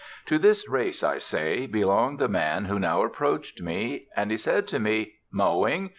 To this race, I say, belonged the man who now approached me. And he said to me, "Mowing?"